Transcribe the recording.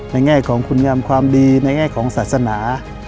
แง่ของคุณงามความดีในแง่ของศาสนา